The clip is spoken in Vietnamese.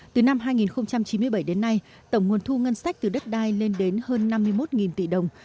từ năm hai nghìn chín mươi bảy đến nay tổng nguồn thu ngân sách từ đất đai lên đến hơn năm mươi một tỷ đồng